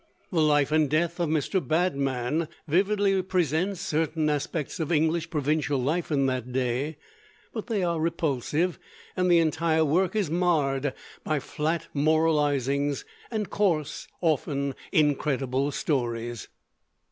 The 'Life and Death of Mr. Badman' vividly presents certain aspects of English provincial life in that day; but they are repulsive, and the entire work is marred by flat moralizings and coarse, often incredible stories.